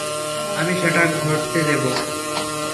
আমি সেটা ঘটতে দেবো?